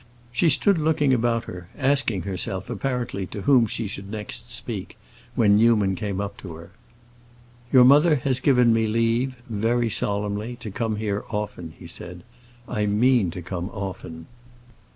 She stood looking about her, asking herself, apparently to whom she should next speak, when Newman came up to her. "Your mother has given me leave—very solemnly—to come here often," he said. "I mean to come often."